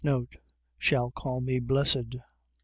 Shall call me blessed.